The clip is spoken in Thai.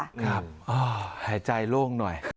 ครับอ้าวหายใจโล่งหน่อย